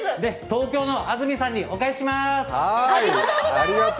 東京の安住さんにお返ししまーす。